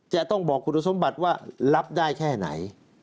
จะต้องบอกคุณสมบัติว่ารับได้แค่ไหน